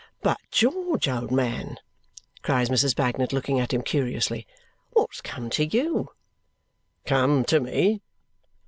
"But, George, old man!" cries Mrs. Bagnet, looking at him curiously. "What's come to you?" "Come to me?"